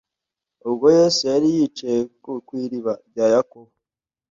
Ubwo Yesu yari yicaye ku iriba rya Yakobo,